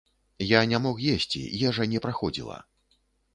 Я не мог есці, ежа не праходзіла.